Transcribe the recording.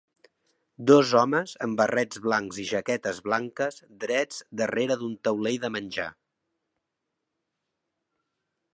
Dos homes amb barrets blancs i jaquetes blanques drets darrere d'un taulell de menjar